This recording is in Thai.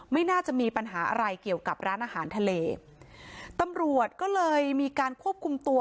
ไม่น่าจะมีปัญหาอะไรเกี่ยวกับร้านอาหารทะเลตำรวจก็เลยมีการควบคุมตัว